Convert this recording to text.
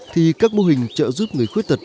thì các mô hình trợ giúp người khuyết tật